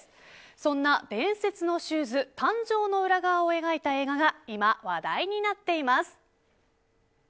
そんな伝説のシューズ誕生の裏側を描いた映画が今、話題になっています。